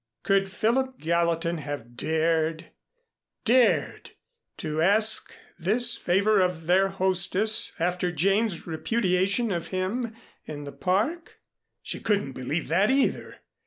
Could Philip Gallatin have dared dared to ask this favor of their hostess after Jane's repudiation of him in the Park? She couldn't believe that either.